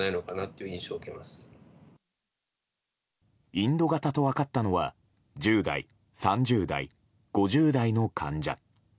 インド型と分かったのは１０代、３０代、５０代の患者。